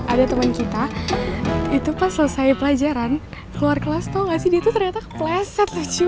ada teman kita itu pas selesai pelajaran keluar kelas tau gak sih dia tuh ternyata kepleset